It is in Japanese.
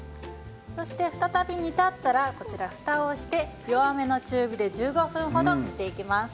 そして、再び煮立ったらふたをして弱めの中火で１５分程、煮ていきます。